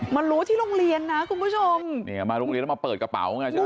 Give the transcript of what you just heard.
มารู้ที่โรงเรียนนะคุณผู้ชมเนี่ยมาโรงเรียนแล้วมาเปิดกระเป๋าไงใช่ไหม